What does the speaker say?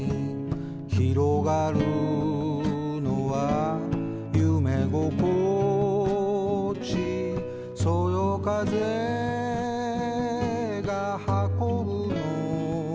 「ひろがるのは夢心地」「そよ風が運ぶのは」